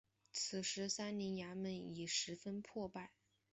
此时三陵衙门已十分破败。